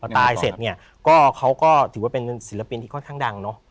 ตายเสร็จเนี่ยก็เขาก็ถือว่าเป็นศิลปินที่ค่อนข้างดังเนอะ